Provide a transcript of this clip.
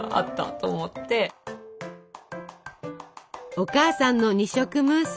お母さんの二色ムース。